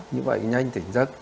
nhanh tỉnh giấc